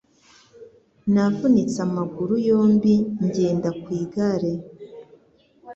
Navunitse amaguru yombi ngenda ku igare.